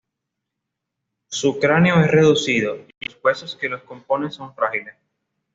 Su cráneo es reducido, y los huesos que lo componen son frágiles.